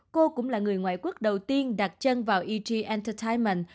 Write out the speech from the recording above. cô cũng là người ngoại quốc đầu tiên đặt chân vào eg entertainment